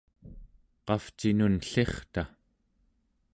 qavcinun ellirta?